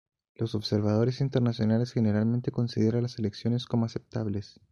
Los observadores internacionales generalmente consideraron las elecciones como aceptables.